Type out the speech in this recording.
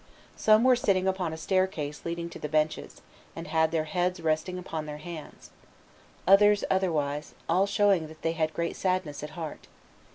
Some were sitting upon a staircase leading to the benches, and had their heads resting upon their hands, others otherwise, all showing that they had great sadness at heart.